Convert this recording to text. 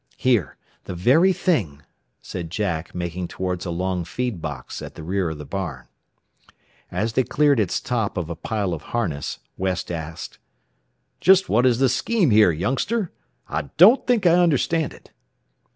Here, the very thing," said Jack, making towards a long feed box at the rear of the barn. As they cleared its top of a pile of harness West asked, "Just what is the scheme here, youngster? I don't think I understand it."